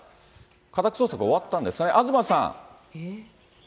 家宅捜索終わったんですね、東さん。